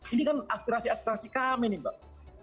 ini kan aspirasi aspirasi kami nih mbak